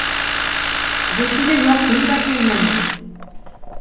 Вәсилә яҡын да килмәне бит.